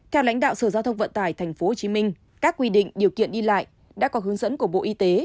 theo lãnh đạo sở giao thông vận tải tp hcm các quy định điều kiện đi lại đã có hướng dẫn của bộ y tế